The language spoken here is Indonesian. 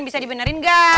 bisa dibenerin gak